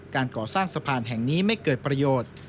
การก่อสร้างสะพานแห่งนี้ไม่เกิดประโยชน์